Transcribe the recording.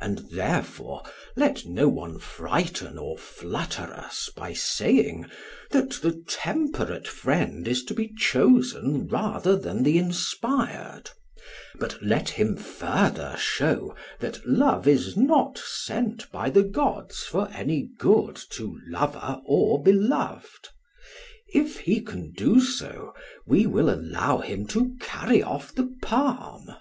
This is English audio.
And therefore, let no one frighten or flutter us by saying that the temperate friend is to be chosen rather than the inspired, but let him further show that love is not sent by the gods for any good to lover or beloved; if he can do so we will allow him to carry off the palm.